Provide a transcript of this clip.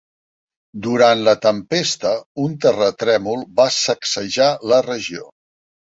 Durant la tempesta, un terratrèmol va sacsejar la regió.